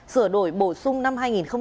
sửa đổi bổ sung năm hai nghìn một mươi bảy